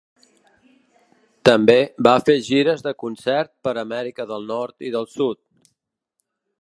També va fer gires de concert per Amèrica del Nord i del Sud.